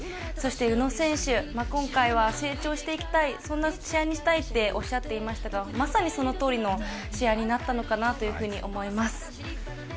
そして宇野選手、今回は成長していきたいそんな試合にしたいっておっしゃっていましたがまさにそのとおりの試合になったのかなと思います。